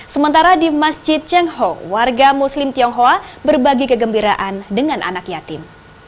sementara di masjid cengho warga muslim tionghoa berbagi kegembiraan dengan anak yatim